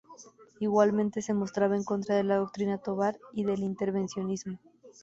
Igualmente se mostraba en contra de la doctrina Tobar y del intervencionismo.